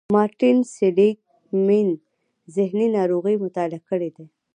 مارټين سېليګ مېن ذهني ناروغۍ مطالعه کړې دي.